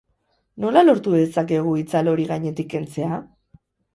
Nola lortu dezakegu itzal hori gainetik kentzea?